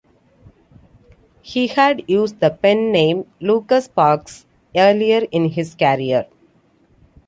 He had used the pen-name Lucas Parkes earlier in his career.